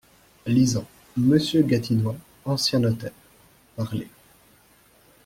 Lisant. "Monsieur Gatinois, ancien notaire." Parlé.